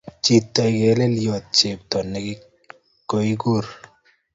Chito ingrleltot chepto ne kogikur.